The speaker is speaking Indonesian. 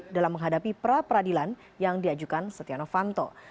dalam menghadapi pra pradilan yang diajukan setiano fanto